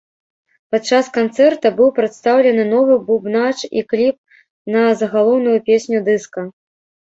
Падчас канцэрта быў прадстаўлены новы бубнач і кліп на загалоўную песню дыска.